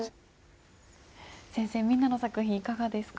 先生みんなの作品いかがですか？